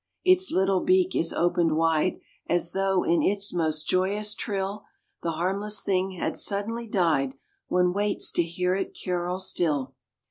Its little beak is opened wide, As though in its most joyous trill The harmless thing had suddenly died. One waits to hear it carol still.